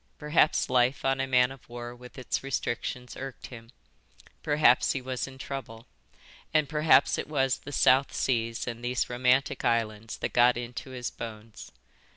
Perhaps life on a man of war with its restrictions irked him, perhaps he was in trouble, and perhaps it was the South Seas and these romantic islands that got into his bones.